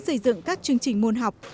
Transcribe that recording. xây dựng các chương trình môn học